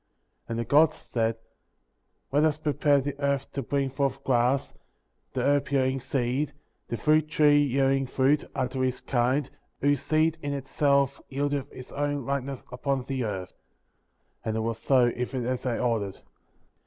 *' 11. And the Gods said: Let us prepare the earth to bring forth grass; the herb yielding seed; the fruit tree yielding fruit, after his kind, whose seed in itself yieldeth its own likeness upon the earth ; and it was so, even as they ordered.